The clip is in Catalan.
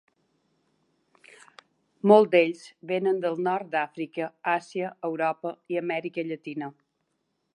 Molts d"ells venen del Nord d"Àfrica, Àsia, Europa i Amèrica Llatina.